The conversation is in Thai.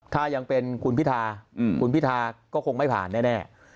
ถ้ายังเป็นคุณพิธาคุณพิธาก็คงไม่ผ่านแน่